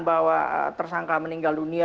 bahwa tersangka meninggal dunia